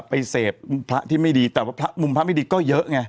ไปเสพพระที่ไม่ดีแต่ว่าพระมุมพระไม่ดีก็เยอะไง